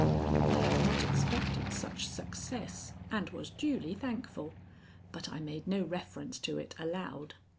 I had not expected such success, and was duly thankful. But I made no reference to it aloud.